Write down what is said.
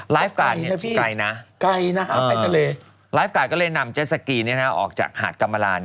ไลฟ์การด์ก็เลยนำเจสสกีออกจากหาดกรรมลา